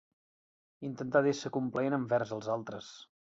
Intentar d'ésser complaent envers els altres.